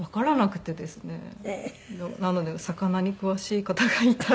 なので魚に詳しい方がいたら。